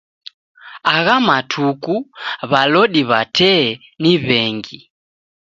Agha matuku w'alodi w'a tee ni w'engi